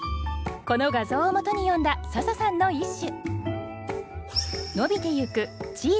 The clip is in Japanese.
この画像をもとに詠んだ笹さんの一首